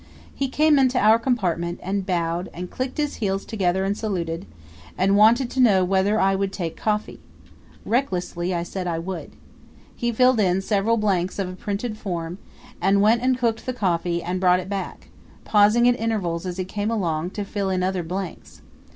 He came into our compartment and bowed and clicked his heels together and saluted, and wanted to know whether I would take coffee. Recklessly I said I would. He filled in several blanks of a printed form, and went and cooked the coffee and brought it back, pausing at intervals as he came along to fill in other blanks.